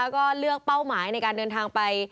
ก็เลือกเป้าหมายในการเดินทางไป